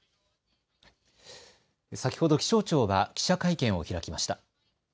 先ほど気象庁が記者会見を開きました。